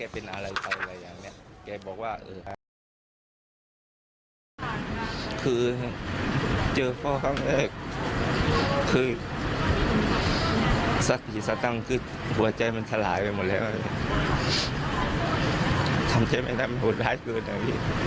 ทำใช้ไม่ได้มันบุญร้ายเกินนะครับพี่